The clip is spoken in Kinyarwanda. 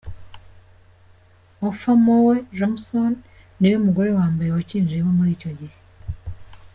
Opha Mae Johnson niwe mugore wa mbere wakinjiyemo muri icyo gihe.